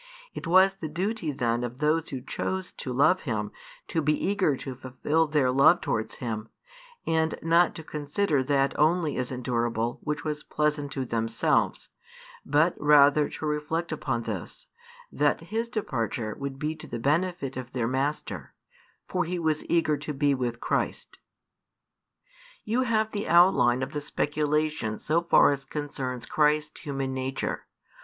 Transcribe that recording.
It was the duty then |345 of those who chose to love him to be eager to fulfil their love towards him, and not to consider that only as endurable which was pleasant to themselves, but rather to reflect upon this, that his departure would be to the benefit of their master; for he was eager to be with Christ. You have the outline of the speculation so far as concerns Christ's human nature.